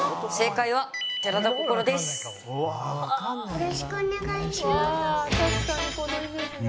よろしくお願いします。